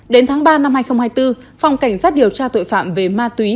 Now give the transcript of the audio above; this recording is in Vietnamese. đến tháng ba năm hai nghìn hai mươi bốn phòng cảnh sát điều tra tội phạm về ma túy